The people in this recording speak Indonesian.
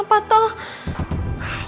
lalu al melukakan lewat a